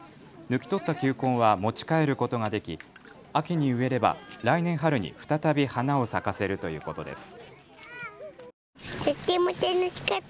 抜き取った球根は持ち帰ることができ秋に植えれば来年春に再び花を咲かせるということです。